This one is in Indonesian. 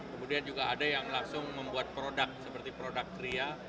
kemudian juga ada yang langsung membuat produk seperti produk kria